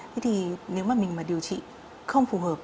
thế thì nếu mà mình mà điều trị không phù hợp